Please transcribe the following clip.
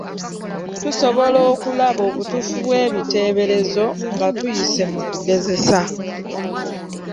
Tusobola okulaba obutuufu bw’ebiteeberezo nga tuyise mu kugezesa.